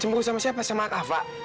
cemburu sama siapa sama kak fah